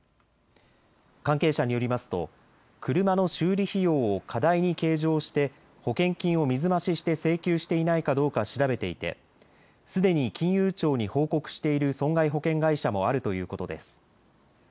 関係者によりますと車の修理費用を過大に計上して保険金を水増しして請求していないかどうか調べていて、すでに金融庁に報告している損害保険会社もあるということです。